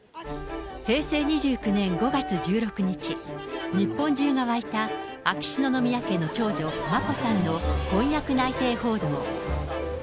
平成２９年５月１６日、日本中が沸いた秋篠宮家の長女、眞子さんの婚約内定報道。